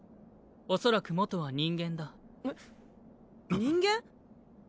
おそらく元は人間だ。えっ？